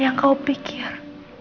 yang kamu pikir